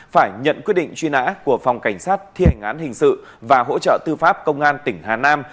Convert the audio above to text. phải nhận quyết định truy nã của phòng cảnh sát thi hành án hình sự và hỗ trợ tư pháp công an tỉnh hà nam